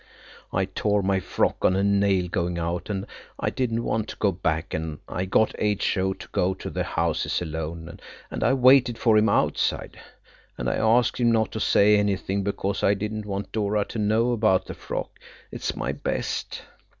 "I tore my frock on a nail going out, and I didn't want to go back, and I got H.O. to go to the houses alone, and I waited for him outside. And I asked him not to say anything because I didn't want Dora to know about the frock–it's my best.